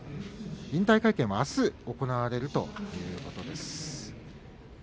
引退会見はあす行われるということです。